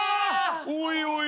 おいおい。